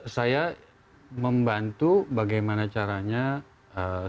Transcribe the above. saya membantu bagaimana caranya sepeda ge